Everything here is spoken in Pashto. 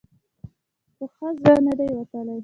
په ښه زړه نه دی وتلی.